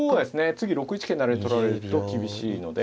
次６一桂成取られると厳しいので。